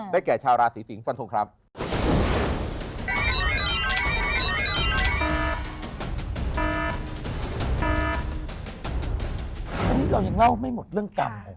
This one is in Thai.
ได้แค่ชาวราศีศิงร์ฟันทุกครับ